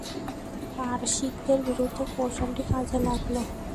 পারসিকদের বিরুদ্ধে কৌশলটি কাজে লাগল।